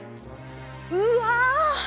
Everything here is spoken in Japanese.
うわ。